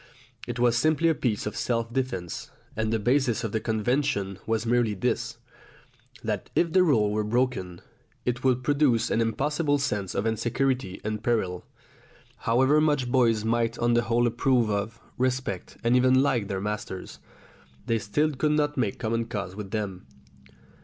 It was simply a piece of self defence, and the basis of the convention was merely this, that, if the rule were broken, it would produce an impossible sense of insecurity and peril. However much boys might on the whole approve of, respect, and even like their masters, still they could not make common cause with them.